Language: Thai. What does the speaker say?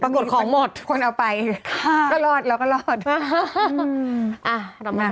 แล้วคือเราก็ไม่ได้ซื้ออีก